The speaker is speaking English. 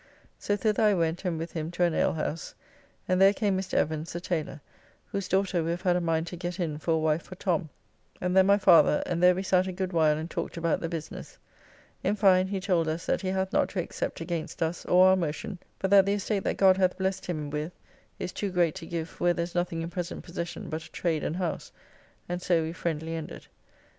So thither I went and with him to an alehouse, and there came Mr. Evans, the taylor, whose daughter we have had a mind to get for a wife for Tom, and then my father, and there we sat a good while and talked about the business; in fine he told us that he hath not to except against us or our motion, but that the estate that God hath blessed him with is too great to give where there is nothing in present possession but a trade and house; and so we friendly ended.